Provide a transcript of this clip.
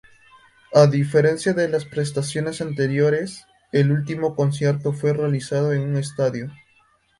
A diferencia de las presentaciones anteriores, el último concierto fue realizado en un estadio.